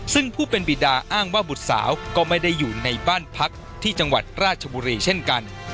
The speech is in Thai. ซึ่งผู้เป็นบิดาอ้างว่าบุตรสาวก็ไม่ได้อยู่ในบ้านพักที่จังหวัดราชบุรีเช่นกัน